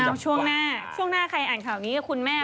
เอาช่วงหน้าช่วงหน้าใครอ่านข่าวนี้กับคุณแม่